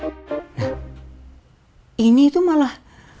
nah ini itu malah